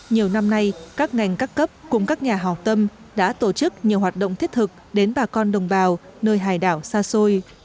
nhiều năm nay các ngành các cấp cùng các nhà hào tâm đã tổ chức nhiều hoạt động thiết thực đến bà con đồng bào nơi hải đảo xa xôi